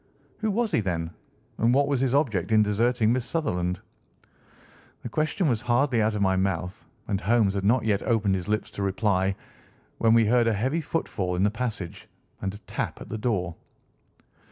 "Who was he, then, and what was his object in deserting Miss Sutherland?" The question was hardly out of my mouth, and Holmes had not yet opened his lips to reply, when we heard a heavy footfall in the passage and a tap at the door.